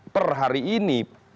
per hari ini